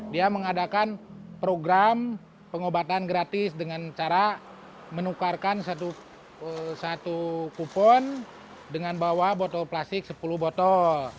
dia mengadakan program pengobatan gratis dengan cara menukarkan satu kupon dengan bawa botol plastik sepuluh botol